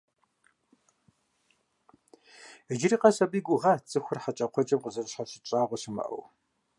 Иджыри къэс абы и гугъат цӀыхухэр хьэкӀэкхъуэкӀэм къазэрыщхьэщыкӀ щӀагъуэ щымыӀэу.